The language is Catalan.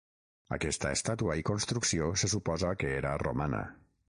Aquesta estàtua i construcció se suposa que era romana.